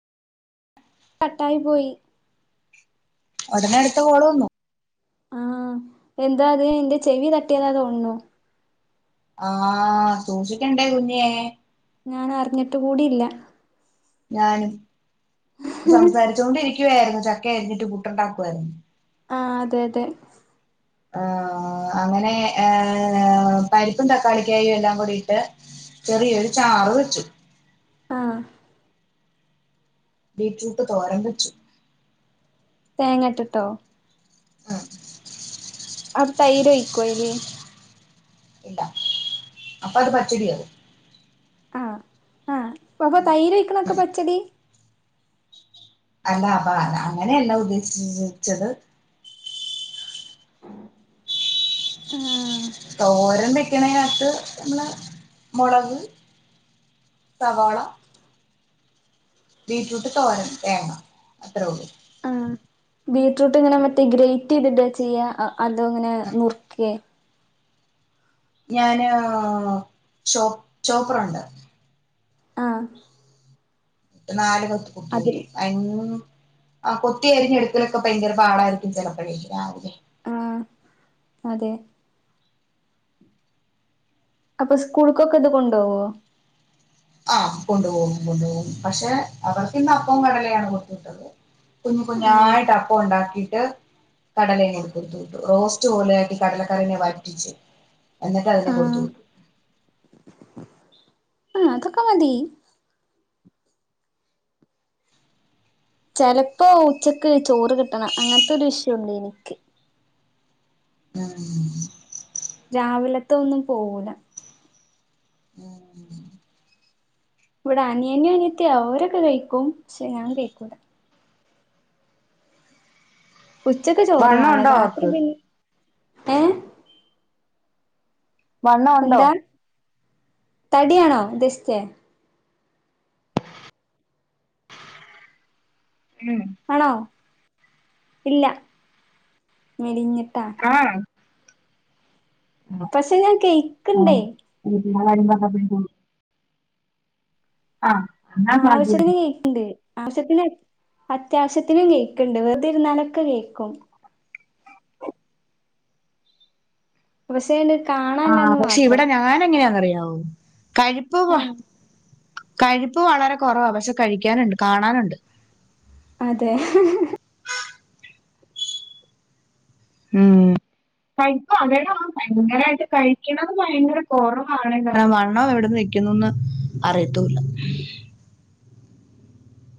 കട്ടായി പോയി. ഉടനെ അടുത്ത കോള് വന്നു. ആഹ് എന്താത് ഇന്റെ ചെവി തട്ടിയതാ തോന്ന്ണു. ആഹ് സൂക്ഷിക്കണ്ടേ കുഞ്ഞെ. ഞാൻ അറിഞ്ഞിട്ട് കൂടില്ല. ഞാനും. സംസാരിച്ചു കൊണ്ടിരിക്കുവായിരുന്നു ചക്കേ യരിഞ്ഞിട്ട് പുട്ടുണ്ടാക്കുവായിരുന്നു. ആഹ് അതെ അതെ. ആഹ് അങ്ങനെ ഏഹ് പരിപ്പും തക്കാളിക്കായും എല്ലാം കൂടി ഇട്ട് ചെറിയൊരു ചാറ് വെച്ചു. ആഹ് ബീറ്റ്റൂട്ട് തോരൻ വെച്ചു. തേങ്ങ ഇട്ട് ട്ടോ ആഹ് അപ് തൈരൊയ്ക്കൊ അയില്? ഇല്ല. അപ്പ അത് പച്ചടിയാ. ആഹ് ആഹ് അപ്പൊ തൈരൊയ്ക്ക്ണതൊക്കെ ഉം പച്ചടി? അല്ല അമ്മാ അങ്ങനെയല്ല ഉദ്ദേശിച്ചി ച്ചത്. [inaudible] തോരൻ വെ ക്കെണേനകത്ത് നമ്മള് മുളക്, സവാള ബീറ്റ്റൂട്ട് തോരൻ, തേങ്ങ അത്രേ ഉള്ളൂ. ആഹ്. ബീടറൂട്ട് ഇങ്ങനെ മറ്റേ ഗ്രേറ്റ് ചെയ്ത്ട്ടാ ചെയ്യാ, അതോ ഇങ്ങനെ നുർക്കേ. ഞാന് ചോ ചോപ്പറുണ്ട്. ആഹ് നാല് പത്ത് അതിൽ കുട്ടൂട്ടും അരിൻ ആഹ് കൊത്തിയെരിഞ്ഞെടുക്കലൊക്കെ ഭയങ്കര പാടായിരിക്കും ചെലപ്പഴേ, രാവിലെ ആഹ് അതെ അപ്പ സ്കൂൾക്കൊക്കെ ഇത് കൊണ്ടോവോ? ആഹ് കൊണ്ട് പോവും കൊണ്ട് പോവും. പക്ഷെ അവർക്കിന്ന് അപ്പവും കടലയാണ് കൊടുത്ത് വിട്ടത്. കുഞ്ഞു ആഹ് കുഞ്ഞായിട്ട് അപ്പ ഉണ്ടാക്കീട്ട്. കടലയും കൊടു കൊടുത്ത വിട്ടു കടലേം കൊടുത്തു വിട്ടു. റോസ്റ്റ് പോലെയാക്കി കടലക്കറിനെ വറ്റിച്ച് എന്നിട്ട് അതിനെ കൊടുത്തു ആഹ് വിട്ടു. ആഹ് അതൊക്കെ മതി. ചെലപ്പോ ഉച്ചക്ക് ചോറ് കിട്ടണം അങ്ങനത്തരു ഇശുണ്ടെനിക് ആഹ് രാവിലത്ത ഒന്നും പോവൂല. ഉം ഇവിടെ അനിയന് അനയത്തി അവരൊക്കെ കഴിക്കും. ക്ഷെ ഞാൻ കഴിക്കൂല. ഉച്ചക്ക് ചോറ് വണ്ണം വാണം ഉണ്ടോ രാത്രി അവക്ക് പിന്നെ, ഏ വണ്ണം ഉണ്ടോ എന്താ തടിയാണോ ഉദേശിചേ. ഉം ആണോ. ഇല്ല. മെലിഞ്ഞിട്ടാ. ആഹ്. പക്ഷെ ഞാൻ കയിക്ക്ണ്ടേ. [unintelligible] ആഹ് ന്ന [unintelligible] ണ്ട് ആവശ്യത്തിന് അത്യാവശ്യത്തിനും കെയിക്ക്ണ്ട്. വെറുതിരുന്നാലൊക്കെ കേക്കും. പഷേണ്ട് കാ ആ പക്ഷെ ഇവിടെ ഞാനെങ്ങനെന്നറിയാവോ? കഴിപ്പ് ആ ഹ്, കഴിപ്പ് വളരെ കുറവാ. പക്ഷെ കഴിക്കാനുണ്ട് കാണാനുണ്ട്. അതെ [unintelligible] ഉം കൈപ, അതെടാ ഭയങ്കരായിട്ട് കഴിക്കണത ഭയങ്കര കൊറവാണ്. ആ വണ്ണം എവിടെന്ന് ക്കുന്നൊന്ന് അറിയത്തുല്ല.